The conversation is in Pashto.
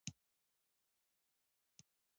خو؛ بیا د دهٔ د ژوند یوه بله پاڼه را واوښته…